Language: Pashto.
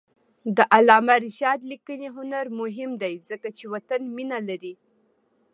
د علامه رشاد لیکنی هنر مهم دی ځکه چې وطن مینه لري.